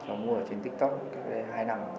cháu mua ở trên tiktok hai năm rồi